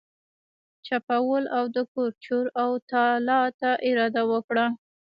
چپاول او د کور چور او تالا ته اراده وکړه.